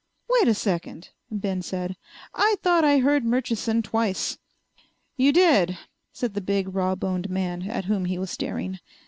"Wait a second," Ben said. "I thought I heard Murchison twice." "You did," said the big, rawboned man at whom he was staring.